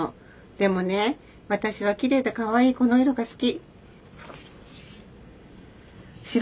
でもねわたしはきれいでかわいいこのいろがすき」。